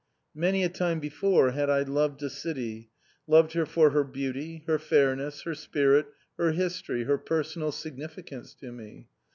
Many a time before had I loved a city loved her for her beauty, her fairness, her spirit, her history, her personal significance to me.